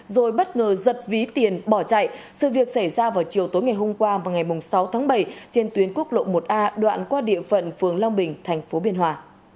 rồi bất ngờ giật ví tiền bỏ chạy sự việc xảy ra vào chiều tối ngày hôm qua và ngày sáu tháng bảy trên tuyến quốc lộ một a đoạn qua địa phận phường long bình tp biên hòa